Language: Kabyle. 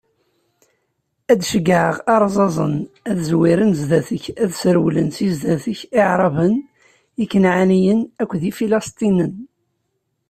Ad d-ceggɛeɣ arẓaẓen, ad zwiren zdat-k, ad srewlen si zdat-k Iɛraben, Ikanɛaniyen akked Ifilistanen.